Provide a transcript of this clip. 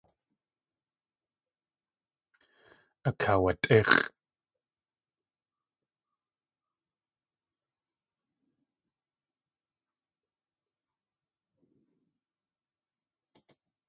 Akaawatʼíx̲ʼ.